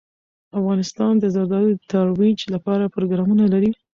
افغانستان د زردالو د ترویج لپاره پروګرامونه لري.